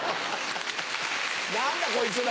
何だこいつら！